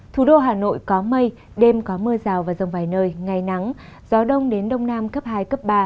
thủ đô hà nội có mây đêm có mưa rào và rông vài nơi ngày nắng gió đông đến đông nam cấp hai cấp ba